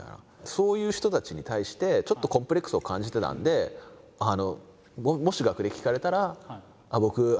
そういう人たちに対してちょっとコンプレックスを感じてたんでって言いたかったんですよ。